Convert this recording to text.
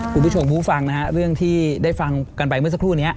คุณผู้ชมผู้ฟังนะฮะเรื่องที่ได้ฟังกันไปเมื่อสักครู่นี้